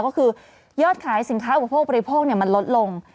ก็คือยอดขายสินค้าอุปโภคบริโภคมันลดลง